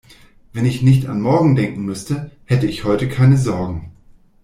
Wenn ich nicht an morgen denken müsste, hätte ich heute keine Sorgen.